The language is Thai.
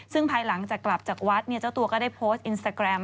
ซึ่งภายหลังจากกลับจากวัดเจ้าตัวก็ได้โพสต์อินสตาแกรม